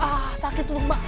ah sakit tuh mbak